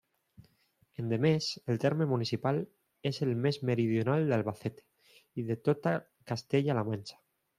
Endemés, el terme municipal és el més meridional d'Albacete, i de tota Castella-la Manxa.